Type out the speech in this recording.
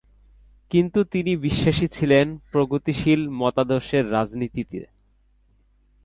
কিন্তু তিনি বিশ্বাসী ছিলেন প্রগতিশীল মতাদর্শের রাজনীতিতে।